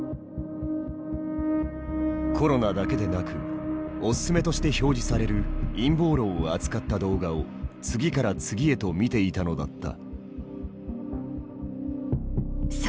コロナだけでなくおすすめとして表示される陰謀論を扱った動画を次から次へと見ていたのだった。